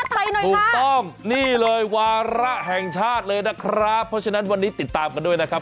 ถูกต้องนี่เลยวาระแห่งชาติเลยนะครับเพราะฉะนั้นวันนี้ติดตามกันด้วยนะครับ